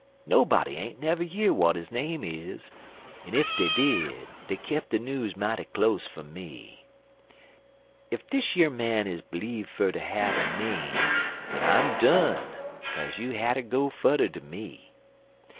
Nobody ain't never year w'at his name is, en ef dey did dey kep' de news mighty close fum me. Ef dish yer man is bleedzd fer ter have a name, den I'm done, kaze you'll hatter go fudder dan me.